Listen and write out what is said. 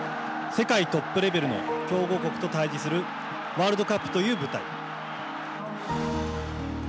世界トップレベルの強豪国と対じするワールドカップという舞台。